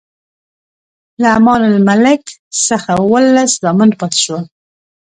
له امان الملک څخه اووه لس زامن پاتې شول.